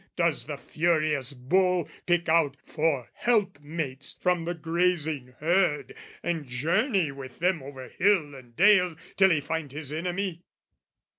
Does the furious bull "Pick out four helpmates from the grazing herd "And journey with them over hill and dale "Till he find his enemy?"